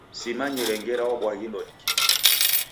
Simanyire ngera wabwaghilo ni kii.